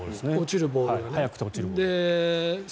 速くて落ちるボールですね。